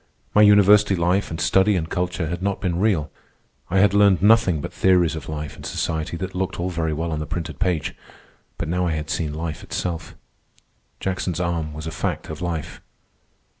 My university life, and study and culture, had not been real. I had learned nothing but theories of life and society that looked all very well on the printed page, but now I had seen life itself. Jackson's arm was a fact of life.